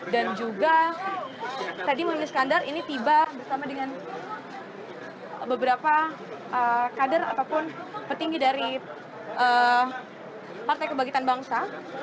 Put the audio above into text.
dan juga tadi mohamad iskandar ini tiba bersama dengan beberapa kader ataupun petinggi dari partai kebagitan bangsa